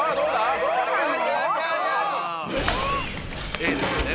Ａですね